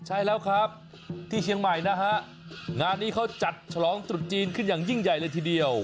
ใช่แล้วครับที่เชียงใหม่นะฮะงานนี้เขาจัดฉลองตรุษจีนขึ้นอย่างยิ่งใหญ่เลยทีเดียว